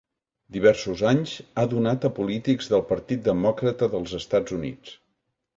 Diversos anys ha donat a polítics del Partit Demòcrata dels Estats Units.